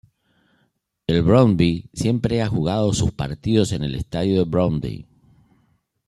El Brøndby siempre ha jugado sus partidos en el estadio Brøndby.